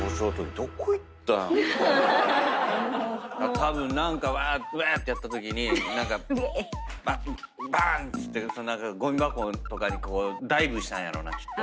たぶん何かうわーってやったときにばーんっつってごみ箱とかにダイブしたんやろうなきっと。